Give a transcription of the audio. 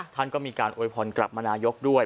ท่านก็มีการโวยพรกลับมานายกด้วย